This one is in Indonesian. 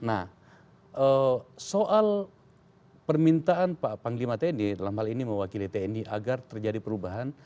nah soal permintaan pak panglima tni dalam hal ini mewakili tni agar terjadi perubahan